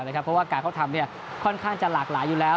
เพราะว่าการเขาทำค่อนข้างจะหลากหลายอยู่แล้ว